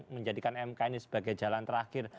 menjadikan mk ini sebagai jalan terakhir